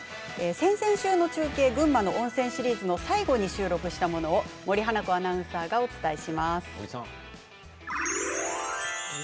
先々週の中継、群馬の温泉シリーズの最後に収録したものを森花子アナウンサーがお伝えします。